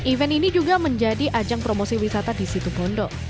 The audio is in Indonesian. event ini juga menjadi ajang promosi wisata di situ bondo